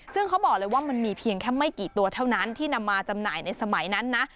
ซึ่งเขาบอกเลยว่ามันมีเพียงแค่ไม่กี่ตัวเท่านั้นที่นำมาจำหน่ายในสมัยนั้นนะ